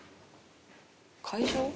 「会場？